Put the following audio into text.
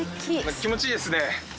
気持ちいいですね海。